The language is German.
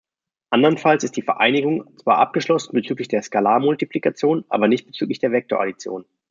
Anderenfalls ist die Vereinigung zwar abgeschlossen bezüglich der Skalarmultiplikation, aber nicht bezüglich der Vektoraddition.